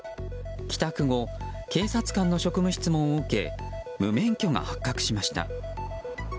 帰宅後、警察官の職務質問を受け無免許が発覚しました。